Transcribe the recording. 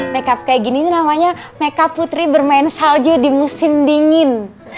makeup kayak gini ini namanya makeup putri bermain salju di musim dingin